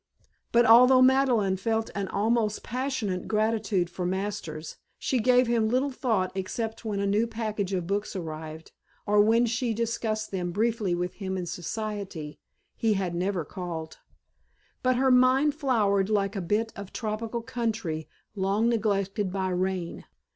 But although Madeleine felt an almost passionate gratitude for Masters, she gave him little thought except when a new package of books arrived, or when she discussed them briefly with him in Society. He had never called. But her mind flowered like a bit of tropical country long neglected by rain.